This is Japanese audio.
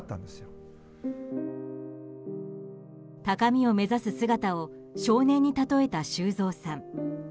高みを目指す姿を少年に例えた修造さん。